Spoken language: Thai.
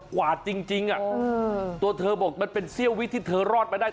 กวาดจริงตัวเธอบอกมันเป็นเสี้ยววิดที่เธอรอดมาได้